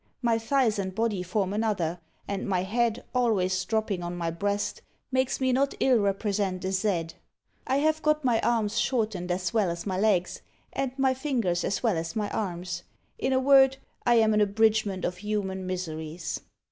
My thighs and body form another; and my head, always dropping on my breast, makes me not ill represent a Z. I have got my arms shortened as well as my legs, and my fingers as well as my arms. In a word, I am an abridgment of human miseries."